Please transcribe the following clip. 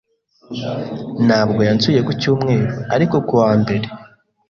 Ntabwo yansuye ku cyumweru ariko ku wa mbere.